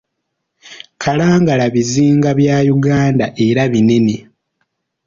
Kalangala bizinga bya Uganda era binene.